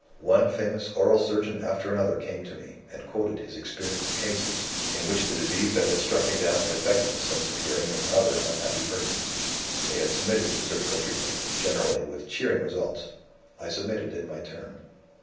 "One famous aural surgeon after another came to me, and quoted his experience of cases, in which the disease that had struck me down had affected the sense of hearing in other unhappy persons: they had submitted to surgical treatment, generally with cheering results. I submitted in my turn.